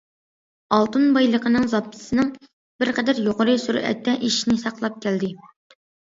ئالتۇن بايلىقىنىڭ زاپىسىنىڭ بىر قەدەر يۇقىرى سۈرئەتتە ئېشىشىنى ساقلاپ كەلدى.